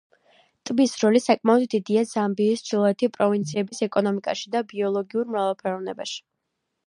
ტბის როლი საკმაოდ დიდია ზამბიის ჩრდილოეთი პროვინციების ეკონომიკაში და ბიოლოგიურ მრავალფეროვნებაში.